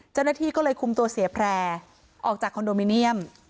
เจ้าหน้าที่ก็เลยคุมตัวเสียแพร่ออกจากคอนโดมิเนียม